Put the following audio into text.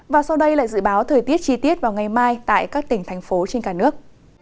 và sau đây là dự báo thời tiết chi tiết vào ngày mai tại các tỉnh thành phố trên cả nước